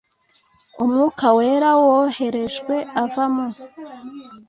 Umwuka Wera woherejwe ava mu